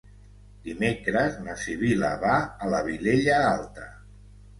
Dimecres na Sibil·la va a la Vilella Alta.